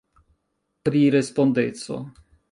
Pri respondeco.